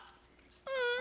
うん！